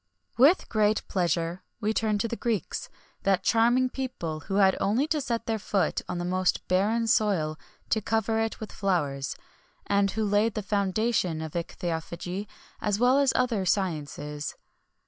With great pleasure we turn to the Greeks, that charming people who had only to set their foot on the most barren soil to cover it with flowers, and who laid the foundation of ichthyophagy as well as all other sciences.